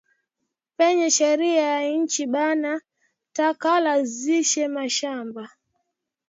Benye sheria ya inchi bana katala kuzisha mashamba